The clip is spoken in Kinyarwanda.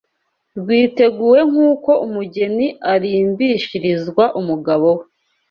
rwiteguwe nk’uko umugeni arimbishirizwa umugabo we